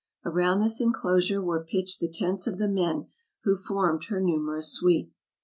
Around this inclosure were pitched the tents of the men who formed her numerous suite.